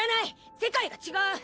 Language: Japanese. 世界が違う！